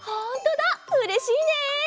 うれしいね！